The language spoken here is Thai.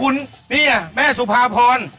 นี่อ่ะแม่สุภาพร